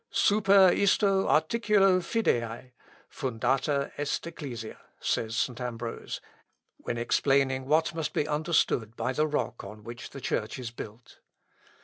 'Super isto articulo fidei, fundata est ecclesia,' says St. Ambrose, when explaining what must be understood by the rock on which the church is built.